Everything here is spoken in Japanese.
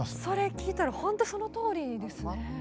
それ聞いたらほんとそのとおりですね。